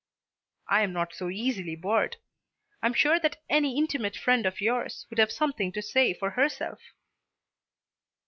"I am not so easily bored. I am sure that any intimate friend of yours would have something to say for herself."